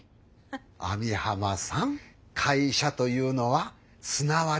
網浜さん会社というのはすなわち。